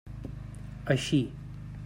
Així.